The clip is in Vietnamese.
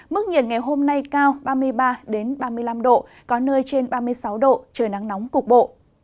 mức nhiệt ngày hôm nay cao ba mươi ba ba mươi năm độ có nơi trên ba mươi sáu độ trời nắng nóng cục bộ